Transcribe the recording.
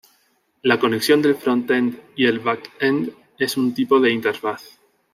La conexión del front-end y el back-end es un tipo de interfaz.